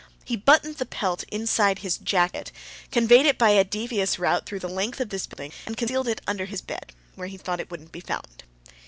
He buttoned the pelt inside his jacket, conveyed it by a devious route through the length of this building, and concealed it under his bed where he thought it wouldn't be found.